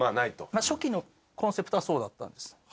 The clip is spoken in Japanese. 初期のコンセプトはそうだったんです。